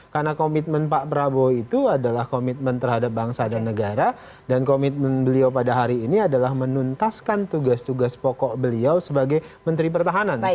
karena komitmen pak prabowo itu adalah komitmen terhadap bangsa dan negara dan komitmen beliau pada hari ini adalah menuntaskan tugas tugas pokok beliau sebagai menteri pertahanan